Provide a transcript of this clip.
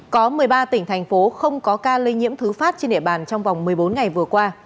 có một mươi ba tỉnh thành phố không có ca lây nhiễm thứ phát trên địa bàn trong vòng một mươi bốn ngày vừa qua